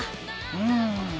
うん。